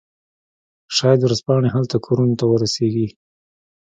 شاید ورځپاڼې هلته کورونو ته ورسیږي